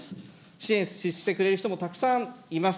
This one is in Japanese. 支援してくれる人もたくさんいます。